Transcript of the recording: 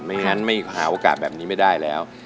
อย่างนั้นไม่หาโอกาสแบบนี้ไม่ได้แล้ว